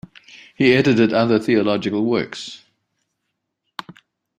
He edited other theological works.